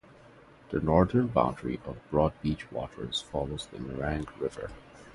The northern boundary of Broadbeach Waters follows the Nerang River.